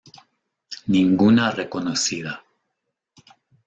Ninguna reconocida.